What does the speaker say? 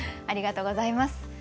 ありがとうございます。